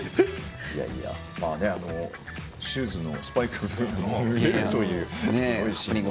シューズのスパイクの裏が取れるという。